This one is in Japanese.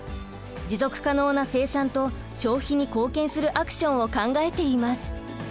持続可能な生産と消費に貢献するアクションを考えています。